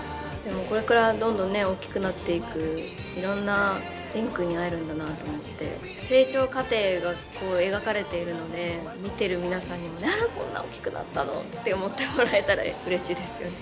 これからどんどん大きくなっていくいろんな蓮くんに会えるんだなと思って成長過程がこう描かれているので見てる皆さんにもこんな大きくなったのって思ってもらえたらうれしいですよね。